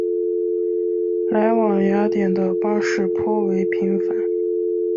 来往雅典的巴士颇为频繁。